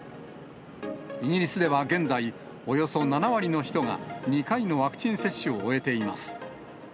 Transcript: イギリスでは現在、およそ７割の人が２回のワクチン接種を終えています。